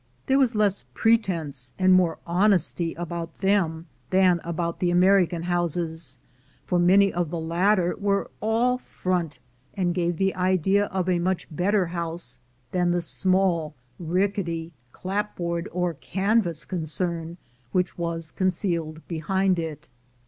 There was less pretence and more honesty about them than about the American houses, for many of the SONORA AND THE MEXICANS 311 latter were all front, and gave the idea of a much better house than the small rickety clapboard or can vas concern which was concealed behind it.